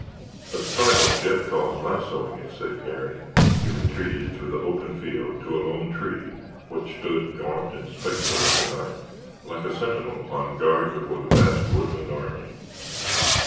"Let's try what Jeb calls lassooing it," said Garry. He retreated through the open field to a lone tree which stood gaunt and spectral in the night like a sentinel on guard before that vast woodland army.